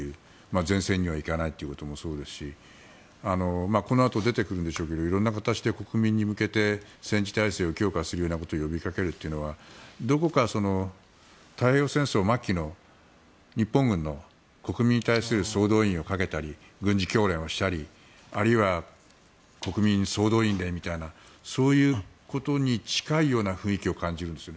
前線には行かないっていうこともそうですしこのあと出てくるんでしょうけど色んな形で国民に向けて戦時体制を強化するようなことを呼びかけるというのはどこか、太平洋戦争末期の日本軍の国民に対する総動員をかけたり軍事教練をしたりあるいは国民総動員令みたいなそういうことに近いような雰囲気を感じるんですよね。